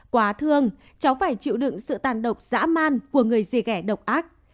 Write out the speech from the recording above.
quá thương cháu phải chịu đựng sự tàn độc dã man của người dì ghẻ độc ác